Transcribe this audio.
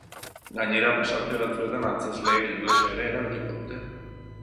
Gainera, pasarte batzuetan antzezleek ingelesa ere erabiliko dute.